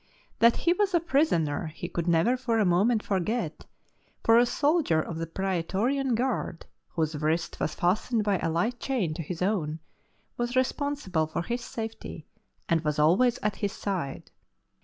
That he was a prisoner he could never for a moment forget, for a soldier of the Praetorian Guard, whose wrist was fastened by a light cham to his own, was responsible for his safety, and was always at his side.